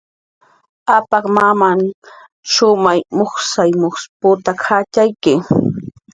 Apak mamanh shumay mujsay mujsw putak jatxayki